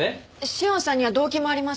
紫苑さんには動機もあります。